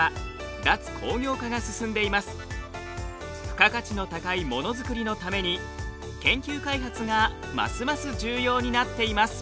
付加価値の高いもの作りのために研究開発がますます重要になっています。